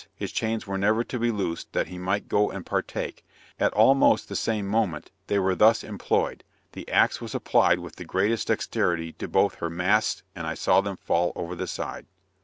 his chains were never to be loosed that he might go and partake at almost the same moment they were thus employed, the axe was applied with the greatest dexterity to both her masts and I saw them fall over the side!